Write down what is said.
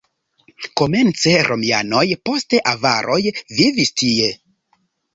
Komence romianoj, poste avaroj vivis tie.